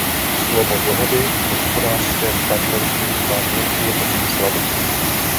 Slovo dohody o hospodářském partnerství má v němčině osm slabik.